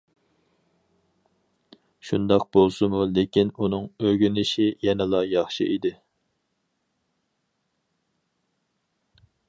شۇنداق بولسىمۇ لېكىن ئۇنىڭ ئۆگىنىشى يەنىلا ياخشى ئىدى.